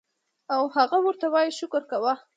او هغه ورته وائي شکر کوه